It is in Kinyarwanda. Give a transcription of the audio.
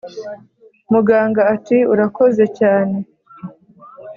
muganga ati"urakoze cyane